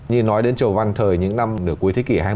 như nói đến chầu văn thời những năm nửa cuối thế kỷ hai mươi